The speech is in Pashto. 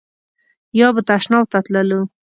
یا به تشناب ته تللو.